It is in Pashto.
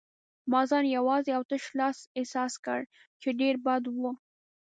ما ځان یوازې او تش لاس احساس کړ، چې ډېر بد و.